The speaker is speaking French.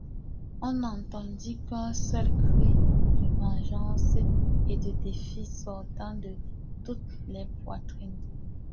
On n'entendit qu'un seul cri de vengeance et de défi sortant de toutes les poitrines.